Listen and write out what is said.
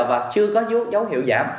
và chưa có dấu hiệu giảm